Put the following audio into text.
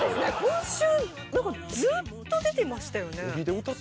今週、ずっと出てましたよね。